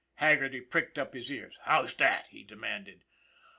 Haggerty pricked up his ears. " How's that? " he demanded.